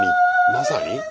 まさに？